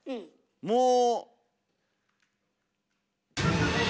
もう。